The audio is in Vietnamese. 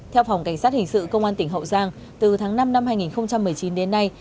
theo phòng cảnh sát hình sự công an tỉnh hậu giang từ tháng năm năm hai nghìn một mươi chín đến nay